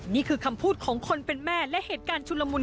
นี่คือคำพูดของคนเป็นแม่และเหตุการณ์ชุลมุน